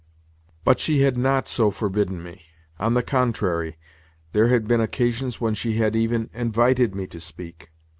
But she had not so forbidden me. On the contrary, there had been occasions when she had even invited me to speak.